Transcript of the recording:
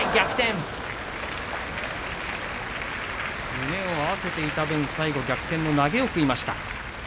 胸を合わせていた分最後逆転の投げを食いました。